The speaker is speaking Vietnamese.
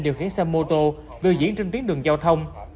điều khiến xe mô tô biểu diễn trên tuyến đường giao thông